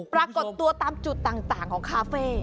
ปรากฏตัวตามจุดต่างของคาเฟ่